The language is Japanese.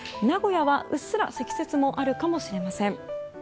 名古屋は、うっすら積雪もあるかもしれません。